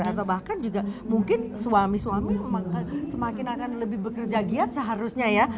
atau bahkan juga mungkin suami suami semakin akan lebih bekerja giat seharusnya ya